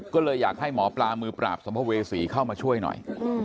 ก็เลยอยากให้หมอปลามือปราบสัมภเวษีเข้ามาช่วยหน่อย